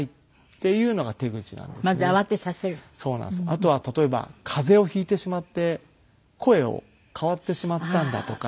あとは例えば風邪を引いてしまって声を変わってしまったんだとか。